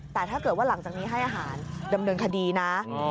แต่ถ้าเกิดว่าหลังจากนี้ให้อาหารดำเนินคดีนะ